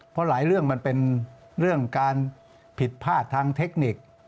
เพราะหลายเรื่องมันเป็นเรื่องการผิดพลาดทางเทคนิค